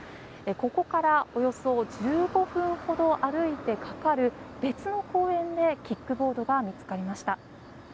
ここからおよそ１５分ほど歩いてかかる別の公園でキックボードが見つかりました。